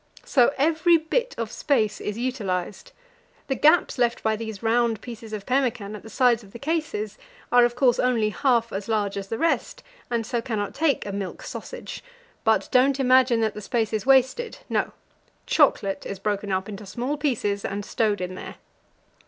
So every bit of space is utilized. The gaps left by these round pieces of pemmican at the sides of the cases are, of course, only half as large as the rest, and so cannot take a milk sausage; but don't imagine that the space is wasted. No; chocolate is broken up into small pieces and stowed in there.